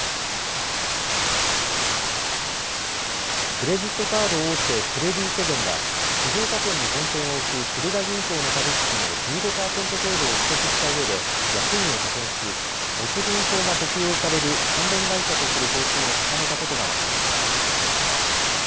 クレジットカード大手クレディセゾンが静岡県に本店を置くスルガ銀行の株式の１５パーセント程度を取得したうえで役員を派遣し持ち分法が適用される関連会社とする方針を固めたことが分かりました。